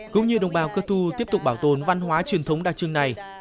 cũng như đồng bào cơ tu tiếp tục bảo tồn văn hóa truyền thống đặc trưng này